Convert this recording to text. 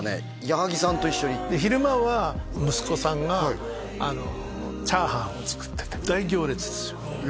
矢作さんと一緒に昼間は息子さんがチャーハンを作ってて大行列ですよへえ